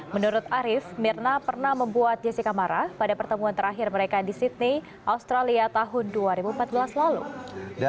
menurut arief mirna pernah membuat jessica marah pada pertemuan terakhir mereka di sydney australia tahun dua ribu empat belas lalu